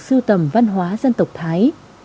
sưu tầm văn hóa dân tộc thái